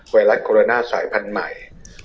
ไวรัสโคโรนาสายพันธุ์ใหม่